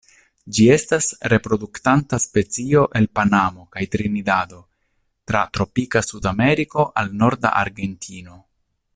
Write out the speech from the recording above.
Ĝi estas reproduktanta specio el Panamo kaj Trinidado tra tropika Sudameriko al norda Argentino.